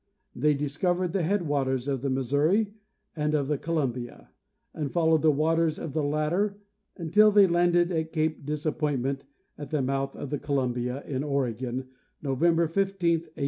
They discovered the headwaters of the Missouri and of the Columbia, and followed the waters of the latter until they landed at cape Disappointment, at the mouth of the Columbia, in Oregon, November 15, 1805.